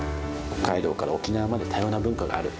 北海道から沖縄まで多様な文化がある。